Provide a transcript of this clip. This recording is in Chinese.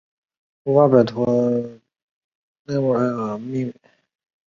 无法摆脱悲哀的命运